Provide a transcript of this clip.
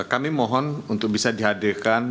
kami mohon untuk bisa dihadirkan